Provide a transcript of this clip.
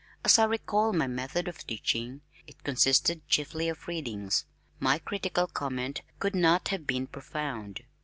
As I recall my method of teaching, it consisted chiefly of readings. My critical comment could not have been profound.